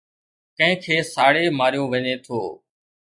ڪنهن کي ساڙي ماريو وڃي ٿو